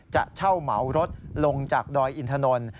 จะเช่าเหมารถลงจากดอยอินทนนท์